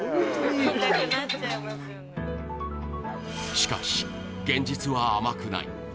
しかし、現実は甘くない。